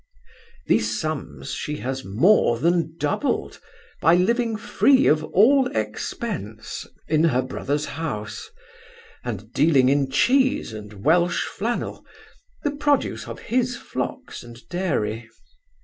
These sums she has more than doubled, by living free of all expence, in her brother's house; and dealing in cheese and Welsh flannel, the produce of his flocks and dairy.